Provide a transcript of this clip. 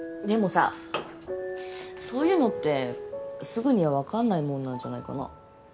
でもさそういうのってすぐには分かんないもんなんじゃないかな。